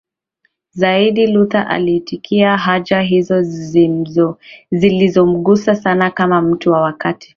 zaidi Luther aliitikia haja hizo zilizomgusa sana kama mtu wa wakati